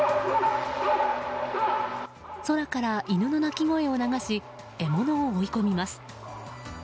空から犬の鳴き声を流し獲物を追い込みます。